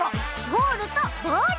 ゴールとボール。